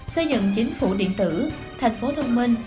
xây dựng chính phủ điện tử thành phố thông minh